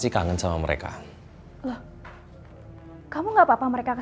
inilah rumah bapakku